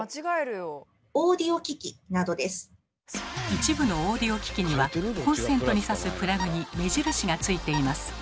一部のオーディオ機器にはコンセントにさすプラグに目印が付いています。